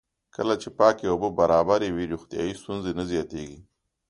کله چې پاکې اوبه برابرې وي، روغتیایي ستونزې نه زیاتېږي.